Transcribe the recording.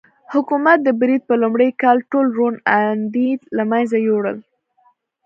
حکومت د برید په لومړي کال ټول روڼ اندي له منځه یووړل.